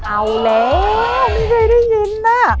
เอาแล้วไม่เคยได้ยินนะ